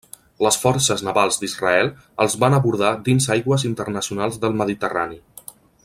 Les forces navals d'Israel els van abordar dins aigües internacionals del Mediterrani.